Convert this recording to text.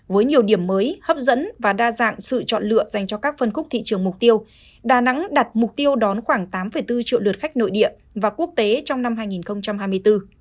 với nhiều điểm mới hấp dẫn và đa dạng sự chọn lựa dành cho các phân khúc thị trường mục tiêu đà nẵng đặt mục tiêu đón khoảng tám bốn triệu lượt khách nội địa và quốc tế trong năm hai nghìn hai mươi bốn